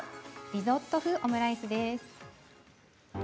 リゾット風オムライスです。